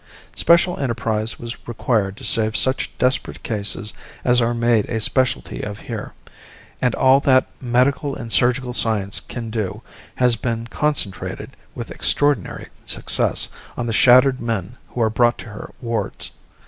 Special enterprise was required to save such desperate cases as are made a specialty of here, and all that medical and surgical science can do has been concentrated, with extraordinary success, on the shattered men who are brought to her wards.